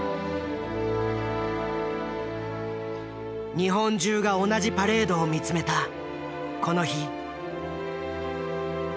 日本中が同じパレードを見つめたこの日。